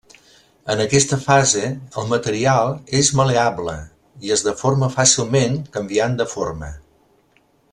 En aquesta fase el material és mal·leable i es deforma fàcilment, canviant de forma.